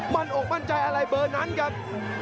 อกมั่นใจอะไรเบอร์นั้นครับ